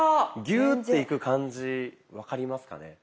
ギューッていく感じ分かりますかね。